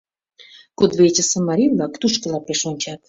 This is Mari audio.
Кудывечысе марий-влак тушкыла пеш ончат.